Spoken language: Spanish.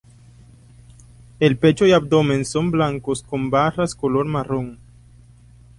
El pecho y abdomen son blancos con barras color marón.